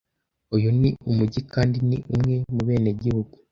Uyu ni umujyi kandi ndi umwe mubenegihugu,